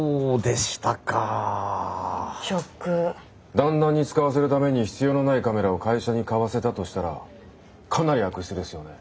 旦那に使わせるために必要のないカメラを会社に買わせたとしたらかなり悪質ですよね。